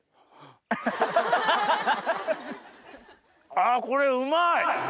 あこれうまい！